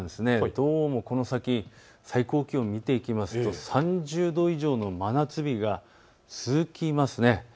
どうもこの先、最高気温を見ていきますと３０度以上の真夏日が続きます。